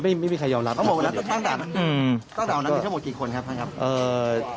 ไม่มีไม่มีใครยอมรับตั้งด่านตั้งด่านนั้นมีทั้งหมดกี่คนครับครับครับ